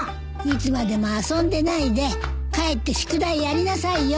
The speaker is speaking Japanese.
いつまでも遊んでないで帰って宿題やりなさいよ。